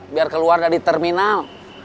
biar keluar dari terminal